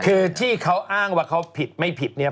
คือที่เขาอ้างว่าเขาผิดไม่ผิดเนี่ย